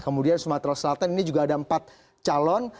kemudian sumatera selatan ini juga ada empat calon